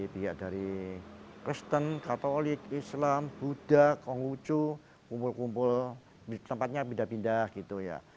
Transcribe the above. pihak dari kristen katolik islam buddha konghucu kumpul kumpul tempatnya pindah pindah gitu ya